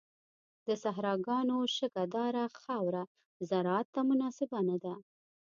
د صحراګانو شګهداره خاوره زراعت ته مناسبه نه ده.